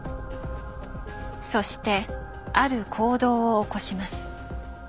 そしてある行動を起こします。